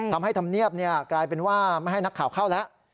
ธรรมเนียบกลายเป็นว่าไม่ให้นักข่าวเข้าแล้ว